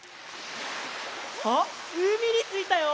あっうみについたよ！